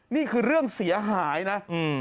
นี่คือเรื่องเสียหายนะ